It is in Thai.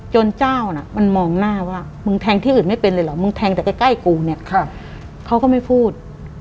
เจ้าน่ะมันมองหน้าว่ามึงแทงที่อื่นไม่เป็นเลยเหรอมึงแทงแต่ใกล้กูเนี่ยเขาก็ไม่พูด